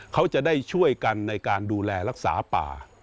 เขาจะได้ช่วยกันในการดูแลรักษาป่า